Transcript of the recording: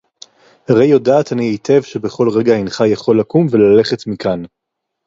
הרי יודעת אני היטב שבכל רגע הנך יכול לקום וללכת מכאן